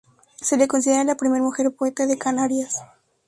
Se le considera la primera mujer poeta de Canarias.